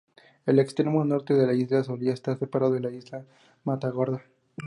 El extremo norte de la isla solía estar separado de la isla Matagorda.